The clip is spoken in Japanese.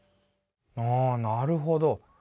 あなるほど。